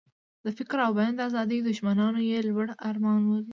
د فکر او بیان د آزادۍ دښمنانو یې لوړ ارمان ولید.